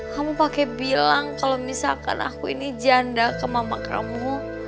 kamu pakai bilang kalau misalkan aku ini janda ke mama kamu